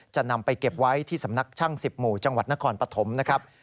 จะนำไปเก็บไว้ที่สำนักช่าง๑๐หมู่จังหวัดนครปฐมนะครับ